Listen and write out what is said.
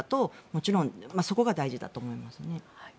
もちろんそこが大事だと思います。